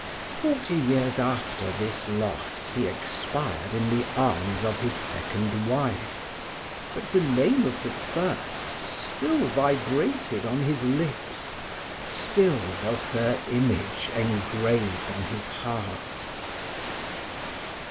Forty years after this loss he expired in the arms of his second wife, but the name of the first still vibrated on his lips, still was her image engraved on his heart.